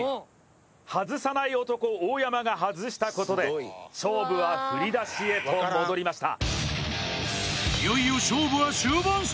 外さない男・大山が外したことで勝負は振り出しへと戻りました。